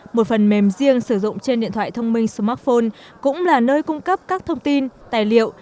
một phần mềm riêng sử dụng trên điện thoại thông minh smartphone cũng là nơi cung cấp các thông tin tài liệu